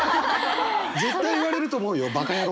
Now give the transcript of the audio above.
絶対言われると思うよ「馬鹿野郎！」